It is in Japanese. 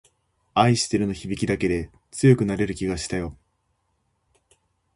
愛してるの響きだけで強くなれる気がしたよ